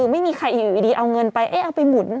ไม่มีใครอยู่ดีเอาเงินไปเอ๊ะเอาไปหมุน